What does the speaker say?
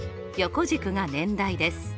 横軸が年代です。